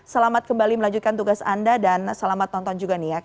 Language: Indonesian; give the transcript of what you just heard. selamat kembali melanjutkan tugas anda dan selamat tonton juga nih ya